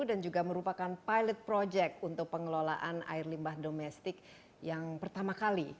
dan juga merupakan pilot project untuk pengelolaan air limbah domestik yang pertama kali